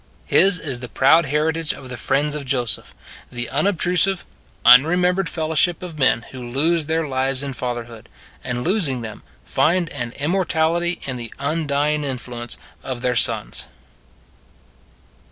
His is the proud heritage of the friends of Joseph the unobtrusive, unremembered fellowship of men who lose their lives in fatherhood and losing them, find an immortality in the undying influence of their sons.